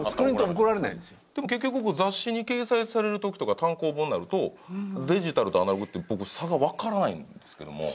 でも結局雑誌に掲載される時とか単行本になるとデジタルとアナログって僕差がわからないんですけども。